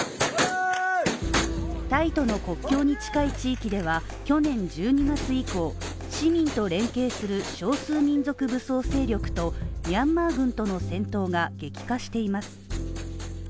タイとの国境に近い地域では、去年１２月以降、市民と連携する少数民族武装勢力とミャンマー軍との戦闘が激化しています。